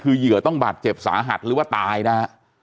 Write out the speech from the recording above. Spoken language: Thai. คือเหยื่อต้องบาดเจ็บสาหัสหรือว่าตายนะฮะ